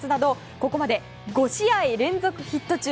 ここまで５試合連続ヒット中。